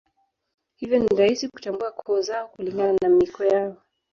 Hivyo ni rahisi kutambua koo zao kulingana na miiko yao